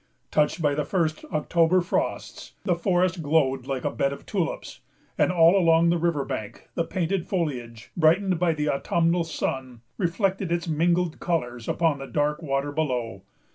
Touched by the first October frosts, the forest glowed like a bed of tulips; and, all along the river bank, the painted foliage, brightened by the autumnal sun, reflected its mingled colors upon the dark water below.